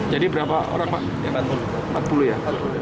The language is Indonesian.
jadi berapa orang pak empat puluh ya